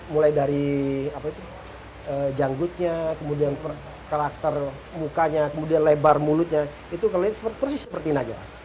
mulai dari janggutnya kemudian karakter mukanya kemudian lebar mulutnya itu kelihatan persis seperti naga